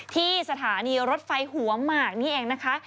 ที่สถานีรถไฟหัวหมากนี่เองนะคะ